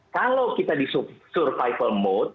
kalau kita di survival mode